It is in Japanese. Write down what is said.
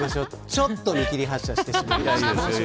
ちょっと見切り発車してしまいました。